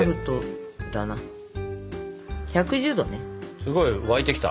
すごい沸いてきた。